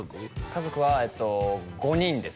家族は５人です